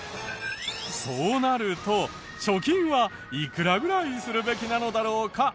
そうなると貯金はいくらぐらいするべきなのだろうか？